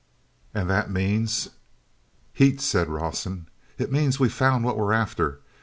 And that means—" "Heat," said Rawson. "It means we've found what we're after.